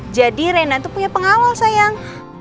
jadi nrena itu punya pengawal sayang